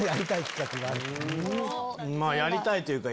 やりたいというか。